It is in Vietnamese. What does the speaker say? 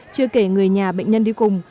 chưa kể người nhà bệnh nhân đi cùng